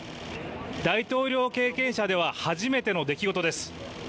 大統領経験者では初めての出来事です。